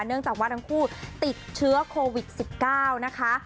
เนื่องจากว่าทั้งคู่ติดเชื้อโควิด๑๙นะคะ